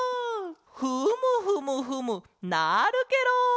フムフムフムなるケロ！